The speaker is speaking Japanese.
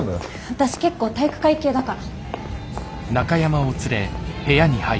私結構体育会系だから。